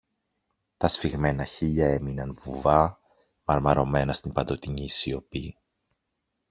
Τα σφιγμένα χείλια έμειναν βουβά, μαρμαρωμένα στην παντοτινή σιωπή.